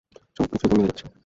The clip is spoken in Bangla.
সবকিছুই তো মিলে যাচ্ছে।